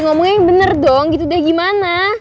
ngomongnya yang bener dong gitu deh gimana